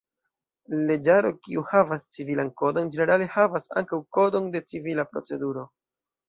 Leĝaro kiu havas civilan kodon ĝenerale havas ankaŭ kodon de civila proceduro.